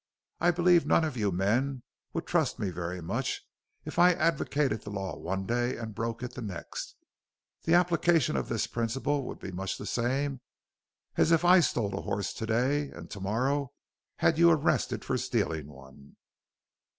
I believe none of you men would trust me very much if I advocated the law one day and broke it the next. The application of this principle would be much the same as if I stole a horse to day and to morrow had you arrested for stealing one."